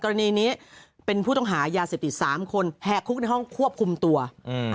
กรณีนี้เป็นผู้ต้องหายาเสพติดสามคนแหกคุกในห้องควบคุมตัวอืม